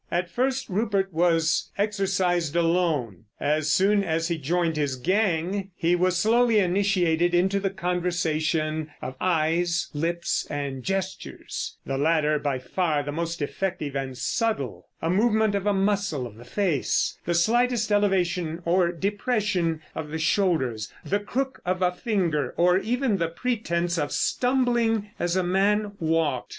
At first Rupert was exercised alone; as soon as he joined his gang he was slowly initiated into the conversation of eyes, lips, and gestures—the latter by far the most effective and subtle: a movement of a muscle of the face, the slightest elevation or depression of the shoulders, the crook of a finger, or even the pretence of stumbling as a man walked.